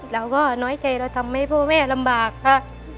เราก็น้อยใจเราทำให้พ่อแม่ลำบากค่ะ